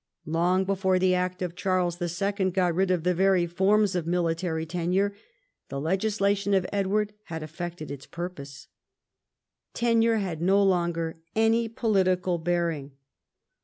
Long before the act of Charles II. got rid of the very forms of military tenure, the legislation of Edward had effected its purpose. Tenure had no longer any political bearing.